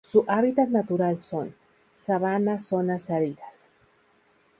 Su hábitat natural son: Sabanas zonas áridas.